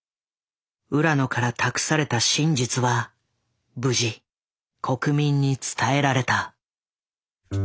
浦野から託された真実は無事国民に伝えられた。